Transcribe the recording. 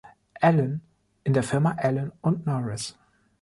Allen in der Firma Allen und Norris.